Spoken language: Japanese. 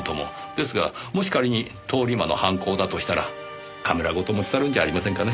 ですがもし仮に通り魔の犯行だとしたらカメラごと持ち去るんじゃありませんかね。